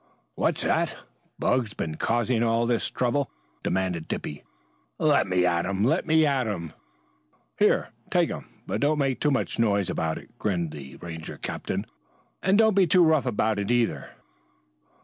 "What's that? 'Bugs' been causing us all this trouble?" demanded Dippy. "Let me at him! Let me at him!" "Here, take him, but don't make too much noise about it," grinned the Ranger captain. "And don't be too rough about it, either."